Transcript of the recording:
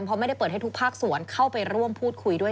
เพราะไม่ได้เปิดให้ทุกภาคส่วนเข้าไปร่วมพูดคุยด้วย